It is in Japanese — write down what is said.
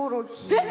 えっ！